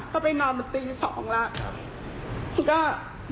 ก็ไปนอนเมื่อตีสองแล้ว